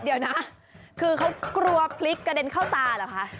เดี๋ยวนะคือเขากลัวพลิกกระเด็นเข้าตาเหรอคะ